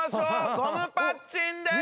ゴムパッチンです！